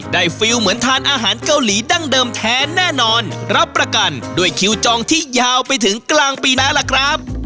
ฟิลเหมือนทานอาหารเกาหลีดั้งเดิมแท้แน่นอนรับประกันด้วยคิวจองที่ยาวไปถึงกลางปีแล้วล่ะครับ